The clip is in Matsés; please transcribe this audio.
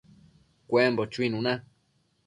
cuembo chuinuna